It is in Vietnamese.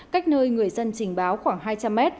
cách nơi người dân trình báo khoảng hai trăm linh mét